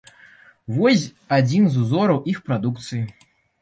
Вось адзін з узораў іх прадукцыі.